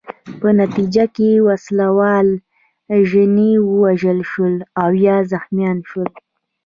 په نتیجه کې وسله وال ژڼي ووژل شول او یا زخمیان شول.